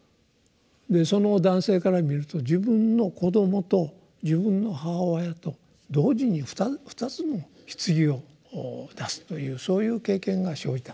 その男性から見ると自分の子どもと自分の母親と同時に２つの棺を出すというそういう経験が生じたと。